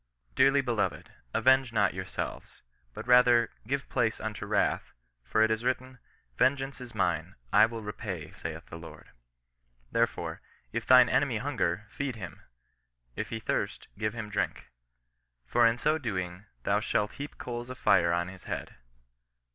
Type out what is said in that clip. " Dearly beloved, avenge not yourselves ; but rather give place unto wrath ; for it is written — vengeance is mine ; I will repay, saith the Lord. Therefore, if thine enemy hunger, feed him ; if he thirst, give him drink : for in so doing thou shalt heap coals of fire on his head.